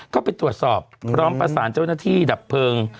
ก็ไปตรวจสอบพร้อมประสานเจ้าหน้าที่ดับเพลิง